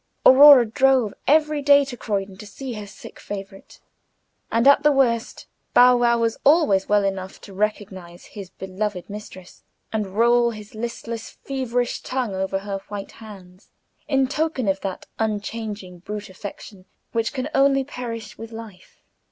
Aurora drove every day to Croydon to see her sick favorite; and at the worst Bow wow was always well enough to recognize his beloved mistress, and roll his listless, feverish tongue over her white hands, in token of that unchanging brute affection which can only perish with life.